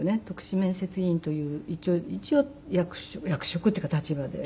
篤志面接委員という一応役職っていうか立場で。